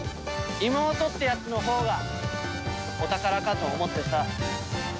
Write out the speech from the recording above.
妹ってやつのほうがお宝かと思ってさ。